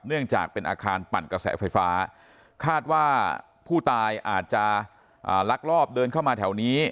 เนื่องจากเป็นอาคารปั่นกระแสไฟฟ้าคาดว่าผู้ตายอาจจะลักลอบเดินเข้ามาแถวนี้